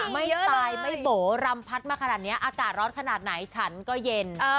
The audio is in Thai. ไม่ตายไม่โบ๋รำพัดมาขนาดนี้อากาศร้อนขนาดไหนฉันก็เย็น